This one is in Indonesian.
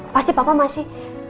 pasti papa masih